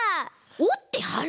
おってはる？